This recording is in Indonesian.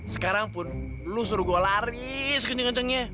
sekarang pun lo suruh gue lari sekenceng kencengnya